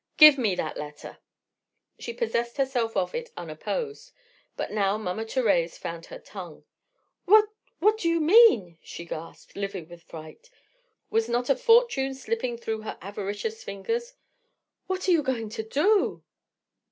Give me that letter." She possessed herself of it unopposed. But now Mama Thérèse found her tongue. "What—what do you mean?" she gasped, livid with fright. Was not a fortune slipping through her avaricious fingers? "What are you going to do?"